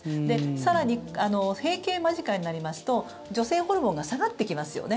更に、閉経間近になりますと女性ホルモンが下がってきますよね。